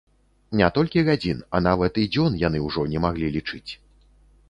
Не толькі гадзін, а нават і дзён яны ўжо не маглі лічыць.